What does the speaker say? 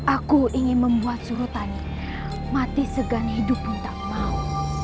aku ingin membuat surutani mati segan hidup pun tak mau